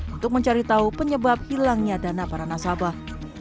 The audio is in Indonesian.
untuk mencari tahu penyebab hilangnya dana para nasabah